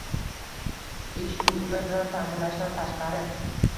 ish, uy-joy bilan ta’minlashdan tashqari